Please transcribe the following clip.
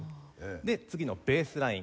で次のベースライン。